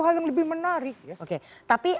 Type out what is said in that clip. hal yang lebih menarik tapi